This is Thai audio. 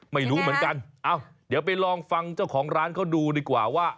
ไม่รู้เหมือนกันเอ้าเดี๋ยวไปลองฟังเจ้าของร้านเขาดูดีกว่าว่า